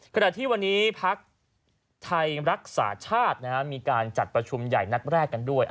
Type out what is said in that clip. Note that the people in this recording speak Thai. ขณะที่วันนี้พักไทยรักษาชาติมีการจัดประชุมใหญ่นัดแรกกันด้วย